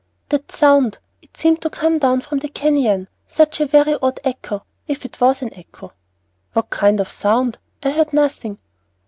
"That sound? It seemed to come from down the canyon. Such a very odd echo, if it was an echo!" "What kind of a sound? I heard nothing."